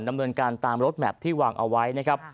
ดำเนินการตามรถแมพที่วางเอาไว้นะครับ